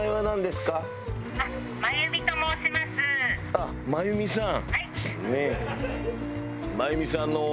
あっ真由美さん。